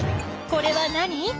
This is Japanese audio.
これは何？